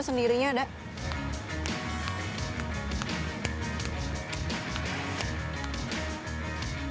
iya kalau untuk basket itu